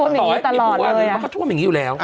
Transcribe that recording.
มันก็ช่วงอย่างนี้ตลอดเลย